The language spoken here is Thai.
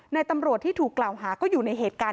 ตำรวจที่ถูกกล่าวหาก็อยู่ในเหตุการณ์